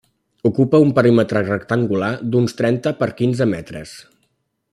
Ocupa un perímetre rectangular d'uns trenta per quinze metres.